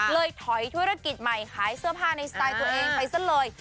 ถอยธุรกิจใหม่ขายเสื้อผ้าในสไตล์ตัวเองไปซะเลย